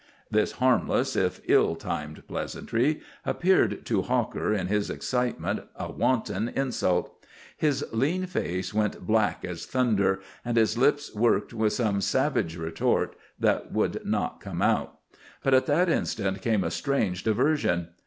This harmless, if ill timed pleasantry appeared to Hawker, in his excitement, a wanton insult. His lean face went black as thunder, and his lips worked with some savage retort that would not out. But at that instant came a strange diversion.